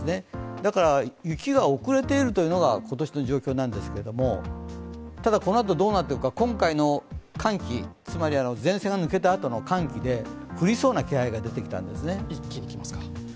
だから、雪が遅れているというのが今年の状況なんですけどもただ、このあとどうなっていくか、今回の寒気、つまり前線が抜けたあとの寒気で降りそうな気配が出てきたんです。